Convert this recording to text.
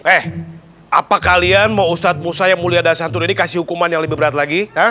eh apa kalian mau ustadz musa yang mulia dan santun ini kasih hukuman yang lebih berat lagi